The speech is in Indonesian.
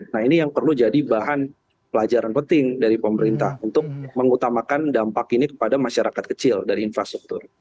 nah ini yang perlu jadi bahan pelajaran penting dari pemerintah untuk mengutamakan dampak ini kepada masyarakat kecil dari infrastruktur